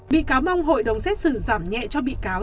bị cáo mong hội đồng xét xử giảm nhẹ cho bị cáo